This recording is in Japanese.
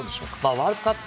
ワールドカップ